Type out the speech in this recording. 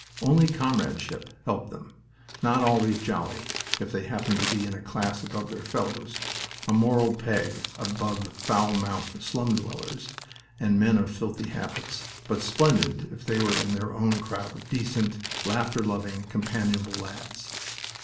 Only comradeship helped them not always jolly, if they happened to be a class above their fellows, a moral peg above foul mouthed slum dwellers and men of filthy habits, but splendid if they were in their own crowd of decent, laughter loving, companionable lads.